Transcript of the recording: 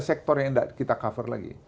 sektor yang tidak kita cover lagi